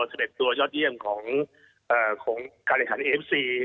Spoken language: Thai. สำเร็จตัวยอดเยี่ยมของการณิขันเอเชีย